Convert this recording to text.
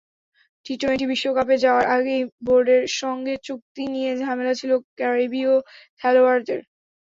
T twenty বিশ্বকাপে যাওয়ার আগেই বোর্ডের সঙ্গে চুক্তি নিয়ে ঝামেলা ছিল ক্যারিবীয় খেলোয়াড়দের।